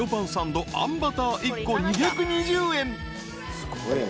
すごいね。